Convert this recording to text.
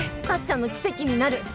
タッちゃんの奇跡になる。